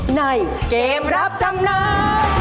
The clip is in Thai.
ในเกมรับจำนำ